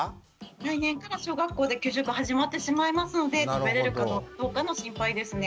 来年から小学校で給食始まってしまいますので食べれるかどうかの心配ですね。